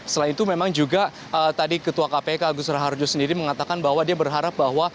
selain itu memang juga tadi ketua kpk agus raharjo sendiri mengatakan bahwa dia berharap bahwa